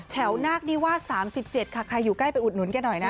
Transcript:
นาคนิวาส๓๗ค่ะใครอยู่ใกล้ไปอุดหนุนแกหน่อยนะ